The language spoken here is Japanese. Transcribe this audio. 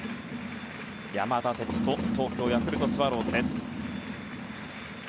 山田哲人東京ヤクルトスワローズです。